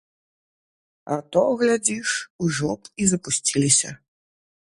А то, глядзіш, ужо б і запусціліся.